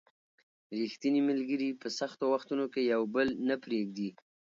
ریښتیني ملګري په سختو وختونو کې یو بل نه پرېږدي